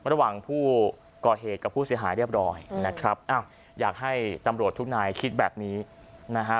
ระหว่างผู้ก่อเหตุกับผู้เสียหายเรียบร้อยนะครับอ้าวอยากให้ตำรวจทุกนายคิดแบบนี้นะฮะ